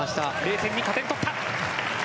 ０．２加点を取った！